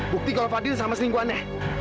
bukti kalo fadil sama seningkuannya